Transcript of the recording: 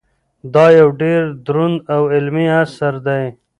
دا یو ډېر دروند او علمي اثر دی.